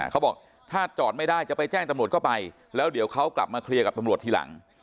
เขาบอกถ้าจอดไม่ได้จะไปแจ้งตำรวจก็ไปแล้วเดี๋ยวเขากลับมาเคลียร์กับตำรวจทีหลัง